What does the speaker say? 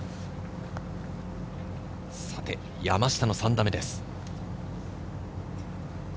さて、山下の３打目です。